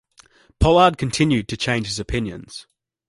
Pollard continued to change his opinions.